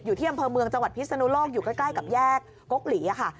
อยู่ที่อำเภอเมืองจังหวัดพิศนุโลกอยู่ใกล้กับแยกกกหลีค่ะ